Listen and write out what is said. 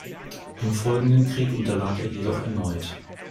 Im folgenden Krieg unterlag er jedoch erneut.